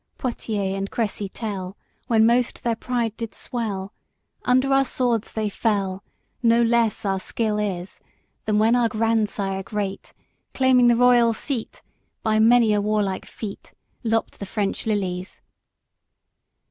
IV. Poitiers and Cressy tell When most their pride did swell, Under our swords they fell; No less our skill is Then when our grandsire great, Claiming the regal seat, By many a warlike feat Lopped the French lilies.